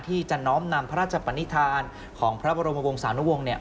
ที่จะน้อมนำพระราชปนิษฐานของพระบรมวงศานุวงศ์